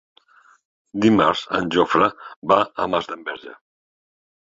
Dimarts en Jofre va a Masdenverge.